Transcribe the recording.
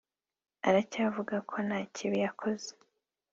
Aracyavuga ko nta kibi yakoze